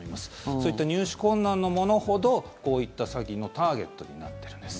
そういった入手困難のものほどこういった詐欺のターゲットになってるんです。